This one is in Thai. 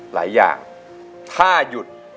หลายอย่างถ้าหยุด